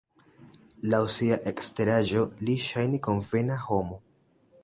Laŭ sia eksteraĵo li ŝajnis konvena homo.